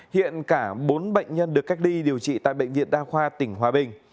hiện cả bốn bệnh nhân được cách ly điều trị tại bệnh viện đa khoa tỉnh hòa bình